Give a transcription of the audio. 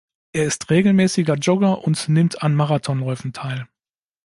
Er ist regelmäßiger Jogger und nimmt an Marathonläufen teil.